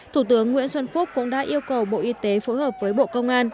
thủ tướng nguyễn xuân phúc cũng đã yêu cầu bộ y tế phối hợp với bộ công an